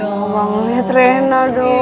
oh aku mau lihat rena dong